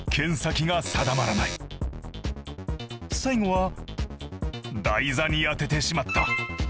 最後は台座に当ててしまった。